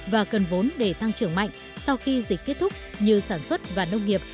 và cần vốn để tăng trưởng mạnh sau khi dịch kết thúc như sản xuất và nông nghiệp